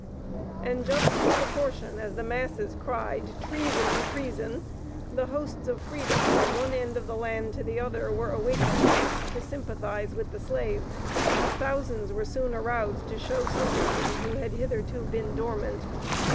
And just in proportion as the masses cried, Treason! Treason! the hosts of freedom from one end of the land to the other were awakened to sympathize with the slave. Thousands were soon aroused to show sympathy who had hitherto been dormant.